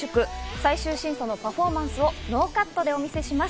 最終審査のパフォーマンスをノーカットでお見せします。